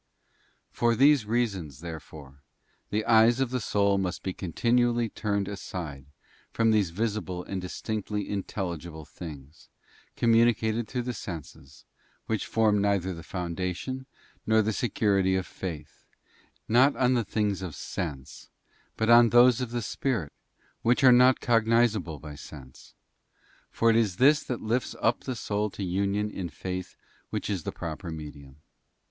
For these reasons, therefore, the eyes of the soul must be continually turned aside from these visible and distinctly in telligible things, communicated through the senses, which form neither the foundation nor the security of Faith, and be fixed on the invisible, not on the things of sense but on those of the Spirit which are not cognisable by sense ; for it is this that lifts up the soul to: union in faith which is the proper medium.